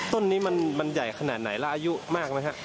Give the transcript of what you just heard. ต้นนี้มันใหญ่ขนาดไหนแล้วอายุมากไหมฮะ